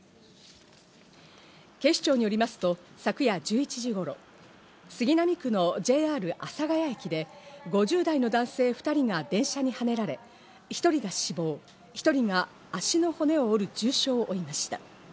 警視庁によりますと昨夜１１時頃、杉並区のＪＲ阿佐ケ谷駅で５０代の男性２人が電車にはねられ、１人が死亡、１人が足の骨を折る重傷を負いました。